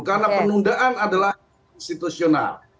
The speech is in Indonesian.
karena penundaan adalah konstitusional